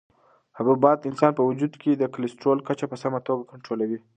حبوبات د انسان په وجود کې د کلسترولو کچه په سمه توګه کنټرولوي.